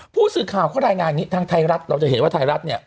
ผู้สื่อข่าวเขารายงานอย่างนี้ทางไทยรัฐเราจะเห็นว่าไทยรัฐเนี่ย